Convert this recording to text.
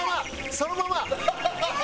そのまま！